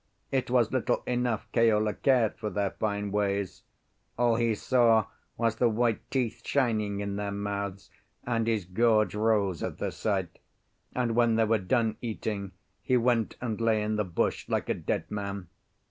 It was little enough Keola cared for their fine ways; all he saw was the white teeth shining in their mouths, and his gorge rose at the sight; and when they were done eating, he went and lay in the bush like a dead man.